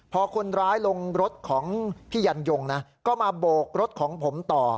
พอคนร้ายลงรถของพี่ยันยงนะก็มาโบกรถของผมต่อ